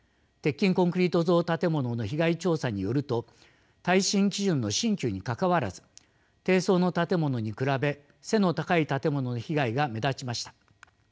鉄筋コンクリート造建物の被害調査によると耐震基準の新旧にかかわらず低層の建物に比べ背の高い建物の被害が目立ちました。